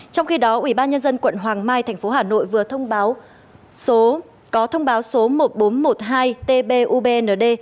trong khi đó ủy ban nhân dân quận hoàng mai thành phố hà nội vừa thông báo số một nghìn bốn trăm một mươi hai tbubnd